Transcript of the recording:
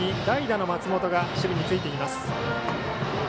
代打の松本がライトの守備についています。